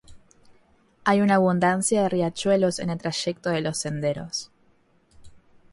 Hay una abundancia de riachuelos en el trayecto de los senderos.